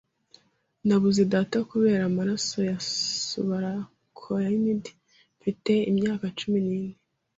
Nabuze data kubera amaraso ya subarachnoid mfite imyaka cumi nine.